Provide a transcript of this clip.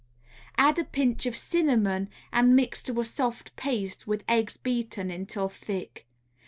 Add a pinch of cinnamon and mix to a soft paste with eggs beaten until thick.